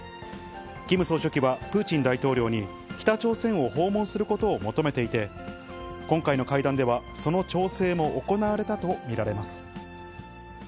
キム総書記はプーチン大統領に、北朝鮮を訪問することを求めていて、今回の会談ではその調整も行われたと見られます。